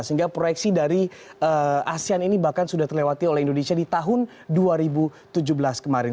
sehingga proyeksi dari asean ini bahkan sudah terlewati oleh indonesia di tahun dua ribu tujuh belas kemarin